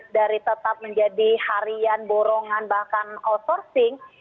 dari tetap menjadi harian borongan bahkan outsourcing